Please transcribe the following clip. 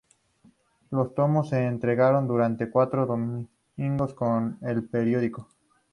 Los tomos se entregaron durante cuatro domingos con el periódico.